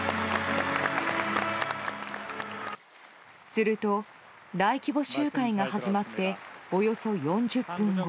すると、大規模集会が始まっておよそ４０分後。